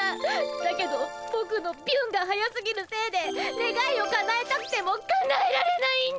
だけどぼくのビュンが速すぎるせいでねがいをかなえたくてもかなえられないんだ！